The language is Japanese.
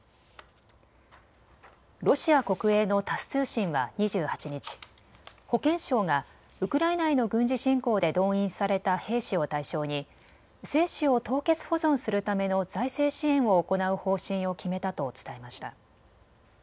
ロシア国営のタス通信は２８日、保健省がウクライナへの軍事侵攻で動員された兵士を対象に精子を凍結保存するための財政支援を行う方針を決めたと伝えました。